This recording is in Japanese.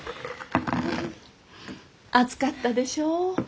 暑かったでしょう？